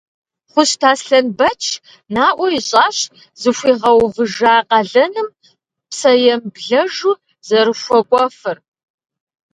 Хъущт Аслъэнбэч наӏуэ ищӏащ зыхуигъэувыжа къалэным псэемыблэжу зэрыхуэкӏуэфыр.